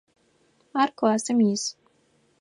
Ар классым ис.